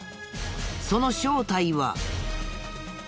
その正体は。